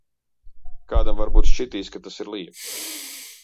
Kādam varbūt šķitīs, ka tas ir lieki.